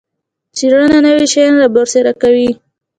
څیړنه نوي شیان رابرسیره کوي